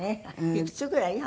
いくつぐらい？